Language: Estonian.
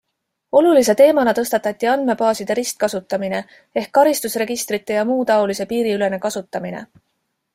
Olulise teemana tõstatati andmebaaside ristkasutamine ehk karistusregistrite jmt piiriülene kasutamine.